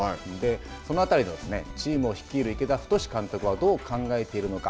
そのあたり、チームを率いる池田太監督はどう考えているのか。